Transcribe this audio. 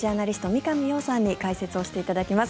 三上洋さんに解説をしていただきます。